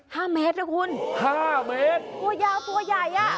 ห้าเมตรนะคุณห้าเมตรตัวยาวตัวใหญ่อ่ะ